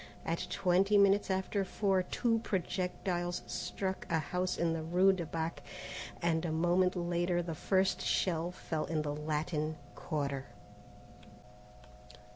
At twenty minutes after four two projectiles struck a house in the rue de Bac, and a moment later the first shell fell in the Latin Quarter.